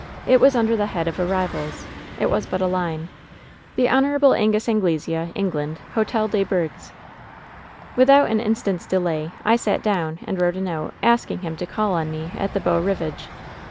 It was under the head of 'Arrivals.' It was but a line :" *The Hon. Angus Anglesea, England — ^Hotel dea Bergues.' "Without an instant's delay I sat down and wrote a note, asking him to call on ine at the Beau Rivage.